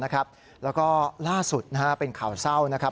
แล้วก็ล่าสุดเป็นข่าวเศร้านะครับ